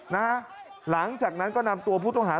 หลังจากนั้นก็นำตัวผู้ต้องหา